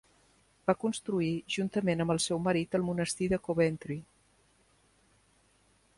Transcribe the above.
Va construir, juntament amb el seu marit, el monestir de Coventry.